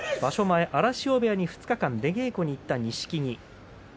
前、荒汐部屋に２日間出稽古に行った錦木。